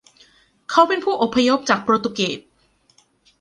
เขาเป็นผู้อพยพจากโปรตุเกส